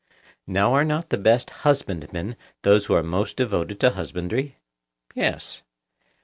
Now, are not the best husbandmen those who are most devoted to husbandry? Yes.